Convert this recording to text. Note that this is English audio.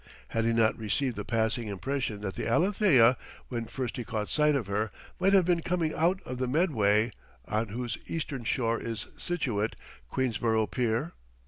Had he not received the passing impression that the Alethea, when first he caught sight of her, might have been coming out of the Medway, on whose eastern shore is situate Queensborough Pier?